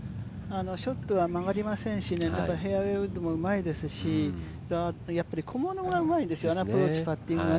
ショットは曲がりませんしフェアウエーウッドもうまいしやっぱり小物がうまいですよ、アプローチの。